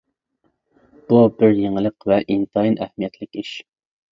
بۇ بىر يېڭىلىق ۋە ئىنتايىن ئەھمىيەتلىك ئىش.